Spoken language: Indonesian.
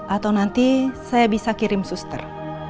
atau nanti saya bisa kirim suster